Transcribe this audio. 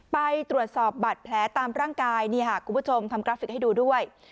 ไปตรวจสอบบัตรแผลตามร่างกายนี่ค่ะคุณผู้ชมทำกราฟิกให้ดูด้วย